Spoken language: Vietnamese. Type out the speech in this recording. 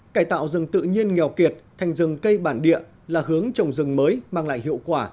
cải tạo rừng tự nhiên nghèo kiệt thành rừng cây bản địa là hướng trồng rừng mới mang lại hiệu quả